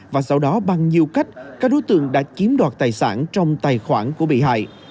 và sau đó bằng nhiều cách các đối tượng đã chiếm đoạt tài sản trong tài khoản của bị hại